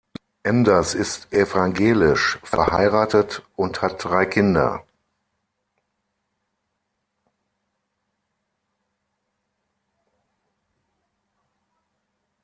Enders ist evangelisch, verheiratet und hat drei Kinder.